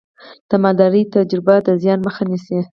د مالدارۍ تجربه د زیان مخه نیسي.